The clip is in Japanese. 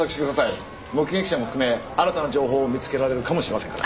目撃者も含め新たな情報を見付けられるかもしれませんから。